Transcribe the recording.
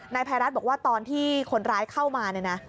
นายพัยรัฐบอกว่าตอนที่คนร้ายเข้ามา